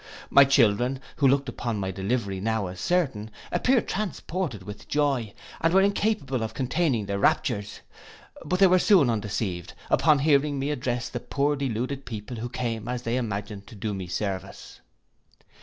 My children, who looked upon my delivery now as certain, appeared transported with joy, and were incapable of containing their raptures. But they were soon undeceived, upon hearing me address the poor deluded people, who came, as they imagined, to do me service.